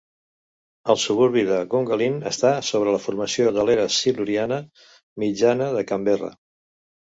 El suburbi de Gungahlin està sobre la formació de l'era siluriana mitjana de Canberra.